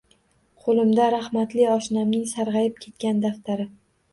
Qoʻlimga rahmatli oshnamning sargʻayib ketgan daftari.